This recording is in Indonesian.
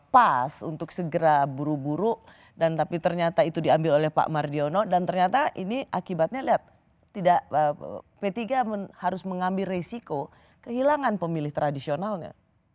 pas untuk segera buru buru dan tapi ternyata itu diambil oleh pak mardiono dan ternyata ini akibatnya lihat p tiga harus mengambil resiko kehilangan pemilih tradisionalnya